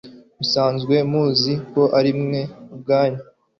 musanzwe muzi ko ari mwe ubwanyu